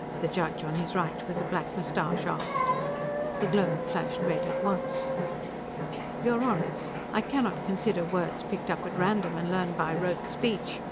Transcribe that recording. the judge on his right, with the black mustache, asked. The globe flashed red at once. "Your Honors, I cannot consider words picked up at random and learned by rote speech.